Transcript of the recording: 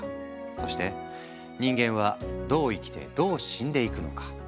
そして人間はどう生きてどう死んでいくのか？